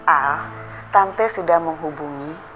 al tante sudah menghubungi